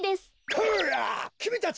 こらっきみたち！